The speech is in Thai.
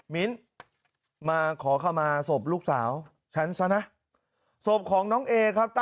มิ้นมาขอเข้ามาศพลูกสาวฉันรับินนะ